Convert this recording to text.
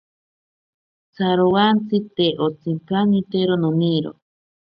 Tsarowantsi te ontsikanitero noniro.